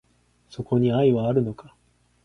そこに愛はあるのか